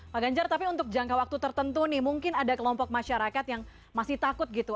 pak ganjar tapi untuk jangka waktu tertentu nih mungkin ada kelompok masyarakat yang masih takut gitu